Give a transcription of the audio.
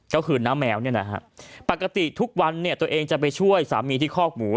ก็คือน้าแมวเนี่ยนะฮะปกติทุกวันเนี่ยตัวเองจะไปช่วยสามีที่คอกหมู